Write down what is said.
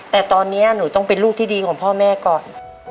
แต่ตอนนี้หนูต้องเป็นลูกที่ดีของพ่อแม่ก่อน